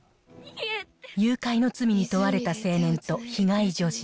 誘拐の罪に問われた青年と被害女児。